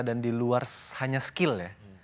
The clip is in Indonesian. dan diluar hanya skill ya